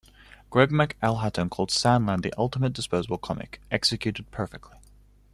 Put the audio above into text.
Greg McElhatton called "Sand Land" "the ultimate disposable comic, executed perfectly".